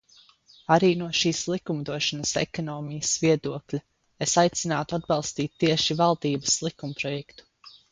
Arī no šīs likumdošanas ekonomijas viedokļa es aicinātu atbalstīt tieši valdības likumprojektu.